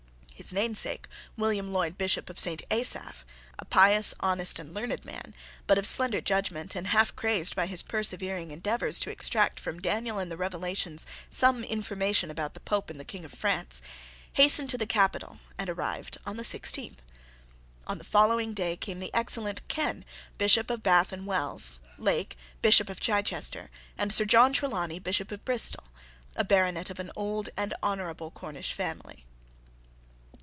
His namesake, William Lloyd, Bishop of St. Asaph, a pious, honest, and learned man, but of slender judgment, and half crazed by his persevering endeavours to extract from Daniel and the Revelations some information about the Pope and the King of France, hastened to the capital and arrived on the sixteenth. On the following day came the excellent Ken, Bishop of Bath and Wells, Lake, Bishop of Chichester, and Sir John Trelawney, Bishop of Bristol, a baronet of an old and honourable Cornish family.